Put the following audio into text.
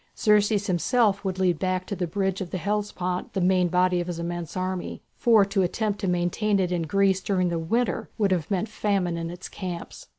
Xerxes himself would lead back to the bridge of the Hellespont the main body of his immense army, for to attempt to maintain it in Greece during the winter would have meant famine in its camps.